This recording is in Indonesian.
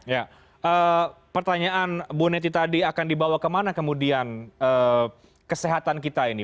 ya pertanyaan bu neti tadi akan dibawa kemana kemudian kesehatan kita ini